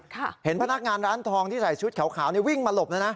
เห็นพนักงานร้านทองที่ใส่ชุดขาวนี่วิ่งมาหลบแล้วนะ